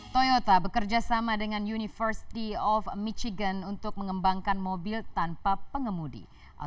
toyota bekerja sama dengan university of michigan untuk mengembangkan mobil tanpa pengemudi